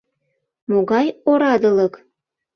Могай орадылык!